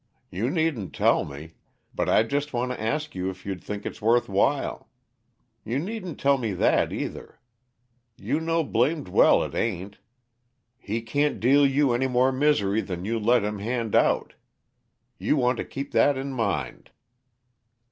You needn't tell me but I just want to ask you if you think it's worth while? You needn't tell me that, either. You know blamed well it ain't. He can't deal you any more misery than you let him hand out; you want to keep that in mind."